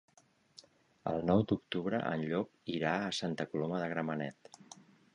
El nou d'octubre en Llop irà a Santa Coloma de Gramenet.